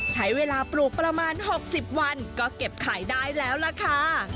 ใช้เวลาปลูกประมาณ๖๐วันก็เก็บขายได้แล้วล่ะค่ะ